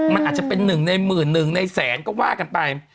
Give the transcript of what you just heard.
มันอาจจะเป็น๑ในหมื่น๑ในแสงก็ว่ากันไป